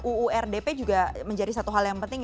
uurdp juga menjadi satu hal yang penting